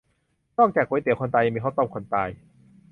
นอกจากก๋วยเตี๋ยวคนตาย ยังมีข้าวต้มคนตาย